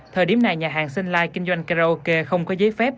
thời điểm này nhà hàng sunlight kinh doanh karaoke không có giấy phép